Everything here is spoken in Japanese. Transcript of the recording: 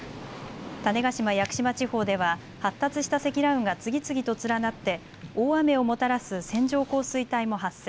種子島・屋久島地方では発達した積乱雲が次々と連なって大雨をもたらす線状降水帯も発生。